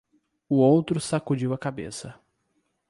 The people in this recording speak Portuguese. O outro sacudiu a cabeça.